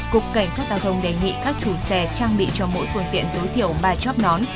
cục cảnh sát giao thông đề nghị các chủ xe trang bị cho mỗi phương tiện tối thiểu ba chóp nón